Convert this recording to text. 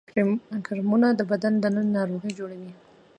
کرمونه د بدن دننه ناروغي جوړوي